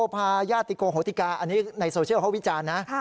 พาญาติโฮทิกาไหนนัยโซเชียลเขาวิจารณ์นะ